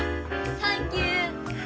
サンキュー！